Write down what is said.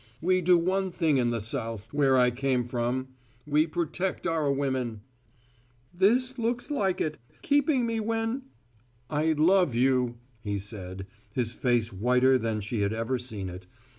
"We do one thing in the South, where I came from. We protect our women " "This looks like it! Keeping me when " "I love you," he said, his face whiter than she had ever seen it.